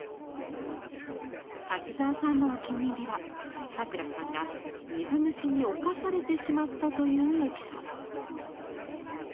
滝沢さんのお気に入りはさくらさんが水虫におかされてしまったというエピソード。